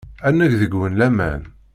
Ad neg deg-wen laman.